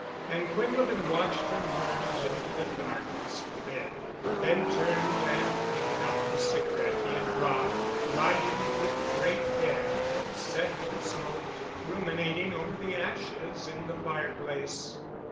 And Quinlevin watched her merge into the darkness within, then turned and picked up the cigarette he had dropped, lighted it with great care, and sat and smoked, ruminating over the ashes in the fireplace.